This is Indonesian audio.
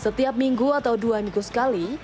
setiap minggu atau dua minggu sekali